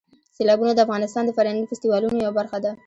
سیلابونه د افغانستان د فرهنګي فستیوالونو یوه برخه ده.